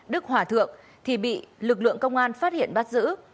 đức hòa thượng thì bị lực lượng công an phát hiện bắt giữ